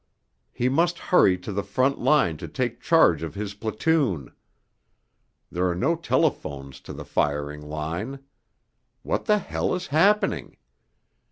He must hurry to the front line to take charge of his platoon. There are no telephones to the firing line. What the hell is happening?